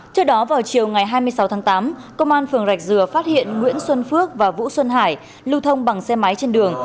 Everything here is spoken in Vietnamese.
trước đó vào chiều ngày hai mươi sáu tháng tám công an phường rạch dừa phát hiện nguyễn xuân phước và vũ xuân hải lưu thông bằng xe máy trên đường